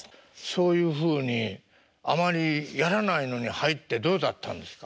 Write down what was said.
そういうふうにあまりやらないのに入ってどうだったんですか？